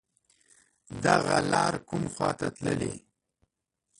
دغه لار کوم خواته تللی